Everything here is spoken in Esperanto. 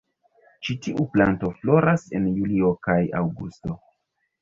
Ĉi tiu planto floras en julio kaj aŭgusto.